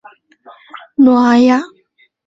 诺阿亚。